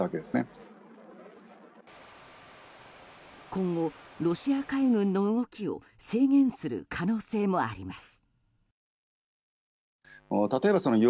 今後、ロシア海軍の動きを制限する可能性もあります。